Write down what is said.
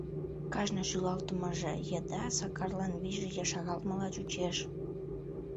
Кажне шӱлалтымыже еда Сакарлан вийже ешаралтмыла чучеш.